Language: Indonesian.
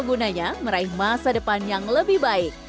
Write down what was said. gunanya meraih masa depan yang lebih baik